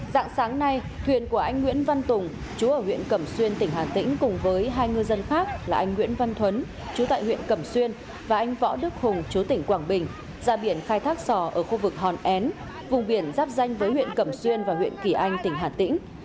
dạng sáng nay thuyền của anh nguyễn văn tùng chú ở huyện cẩm xuyên tỉnh hà tĩnh cùng với hai ngư dân khác là anh nguyễn văn thuấn chú tại huyện cẩm xuyên và anh võ đức hùng chú tỉnh quảng bình ra biển khai thác sò ở khu vực hòn én vùng biển giáp danh với huyện cẩm xuyên và huyện kỳ anh tỉnh hà tĩnh